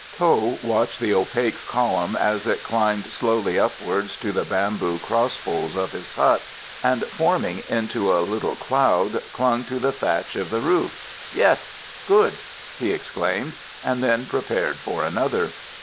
Tho watched the opaque column as it climbed slowly upwards to the bamboo cross poles of his hut, and, forming into a little cloud, clung to the thatch of the roof. "Biet!" (good) he exclaimed, and then prepared for another.